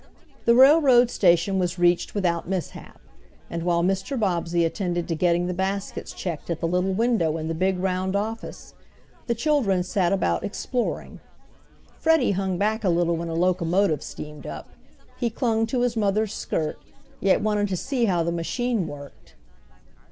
The railroad station was reached without mishap, and while Mr. Bobbsey attended to getting the baskets checked at the little window in the big round office, the children sat about "exploring." Freddie hung back a little when a locomotive steamed up. He clung to his mother's skirt, yet wanted to see how the machine worked.